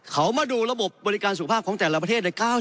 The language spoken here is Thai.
เข้ามาดูระบบบริการสุขภาพของแต่ละปะเทศได้๙๘ปะเทศ